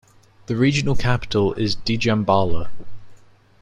The regional capital is Djambala.